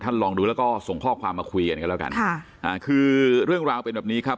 ลองดูแล้วก็ส่งข้อความมาคุยกันกันแล้วกันค่ะอ่าคือเรื่องราวเป็นแบบนี้ครับ